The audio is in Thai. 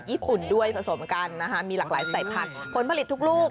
ญี่ปุ่นด้วยผสมกันนะคะมีหลากหลายสายพันธุ์ผลผลิตทุกลูก